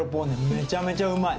めちゃめちゃうまい。